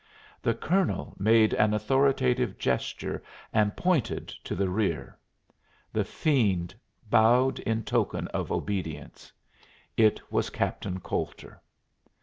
The colonel made an authoritative gesture and pointed to the rear. The fiend bowed in token of obedience. It was Captain Coulter.